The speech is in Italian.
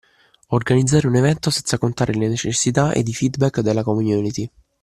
Organizzare un evento senza contare le necessità ed i feedback della community